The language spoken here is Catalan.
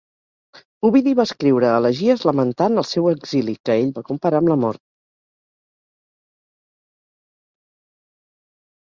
Ovidi va escriure elegies lamentant el seu exili, que ell va comparar amb la mort.